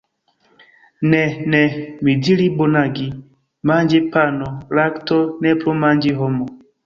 Ne, ne, mi diri bonagi, manĝi pano, lakto, ne plu manĝi homo.